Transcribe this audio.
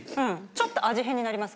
ちょっと味変になります